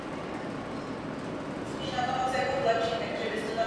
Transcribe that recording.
Mladí zemědělci a noví konkurenti byli celá léta omezováni.